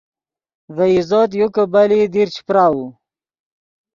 ڤے عزوت یو کہ بلئیت دیر چے پراؤو